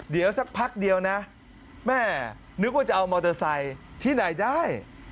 เดี๋ยวสักพักเดียวนะแม่นึกว่าจะเอามอเตอร์ไซค์ที่ไหนได้